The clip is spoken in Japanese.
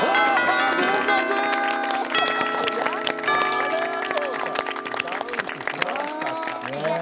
ありがとうございます。